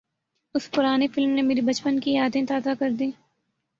اُس پرانی فلم نے میری بچپن کی یادیں تازہ کردیں